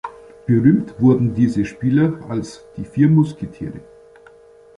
Berühmt wurden diese Spieler als „Die vier Musketiere“.